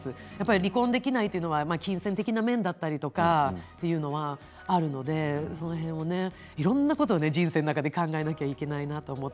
離婚できないというのは金銭的な面だったり、あるのでいろんなことをね人生の中で考えなきゃいけないなって。